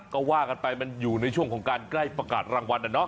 ก็ว่ากันไปมันอยู่ในช่วงของการใกล้ประกาศรางวัลนะเนาะ